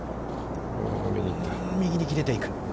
右に切れていく。